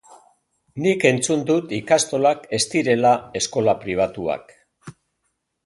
Nik entzun dut ikastolak ez direla eskola pribatuak.